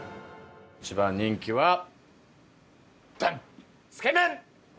一番人気はダン！